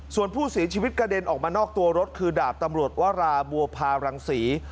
ส่วนผู้เสียชีวิตกระเด็นออกมานอกตัวรถคือดาบตำรวจวราบัวพารังศรี